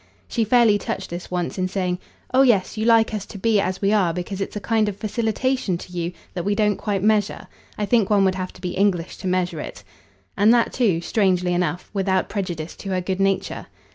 She fairly touched this once in saying: "Oh yes, you like us to be as we are because it's a kind of facilitation to you that we don't quite measure: I think one would have to be English to measure it!" and that too, strangely enough, without prejudice to her good nature.